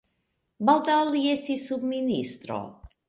Baldaŭ li estis subministro.